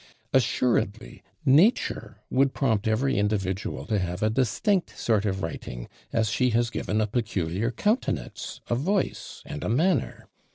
Assuredly nature would prompt every individual to have a distinct sort of writing, as she has given a peculiar countenance a voice and a manner.